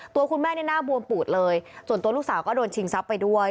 ตัวคุณแม่นี่หน้าบวมปูดเลยส่วนตัวลูกสาวก็โดนชิงทรัพย์ไปด้วย